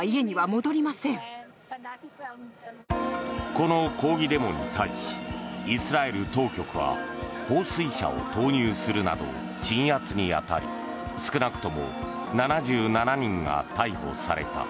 この抗議デモに対しイスラエル当局は放水車を投入するなど鎮圧に当たり少なくとも７７人が逮捕された。